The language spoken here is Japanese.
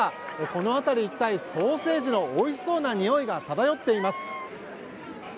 この辺り一帯、ソーセージのおいしそうなにおいが漂っています。